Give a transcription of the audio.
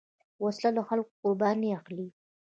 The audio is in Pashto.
وسله له خلکو قرباني اخلي